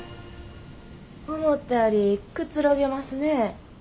思ったよりくつろげますね。